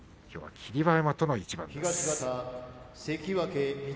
きょうは霧馬山との一番です。